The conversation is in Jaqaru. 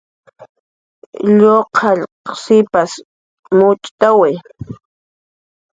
Lluqllaq sipas mucht'awi